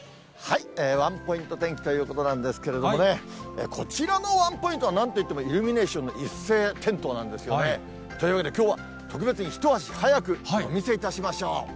ワンポイント天気ということなんですけれどもね、こちらのワンポイントはなんといっても、イルミネーションの一斉点灯なんですよね。というわけできょうは、特別に一足早くお見せいたしましょう。